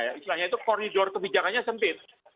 istilahnya itu koridor kebijakannya sempit